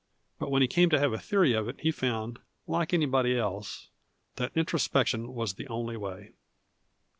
But when he came to have a theory of it he found, like anybody else, that introspection was the only way.